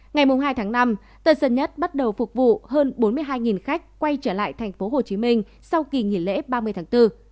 ngày hai tháng năm tân sơn nhất bắt đầu phục vụ hơn bốn mươi hai khách quay trở lại thành phố hồ chí minh sau kỳ nghỉ lễ ba mươi tháng bốn